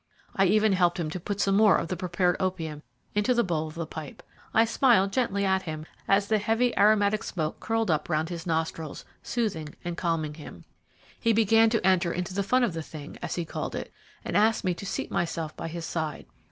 I even helped him to put some more of the prepared opium into the bowl of the pipe. I smiled gently at him as the heavy aromatic smoke curled up round his nostrils, soothing and calming him. He began to enter into the fun of the thing, as he called it, and asked me to seat myself by his side.